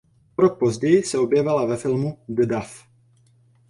O rok později se objevila ve filmu "The Duff".